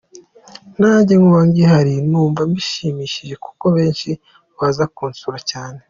Nanjye kuba ngihari numva binshimishije kuko benshi baza no kunsura cyane.